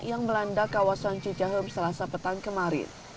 yang melanda kawasan cicahem selasa petang kemarin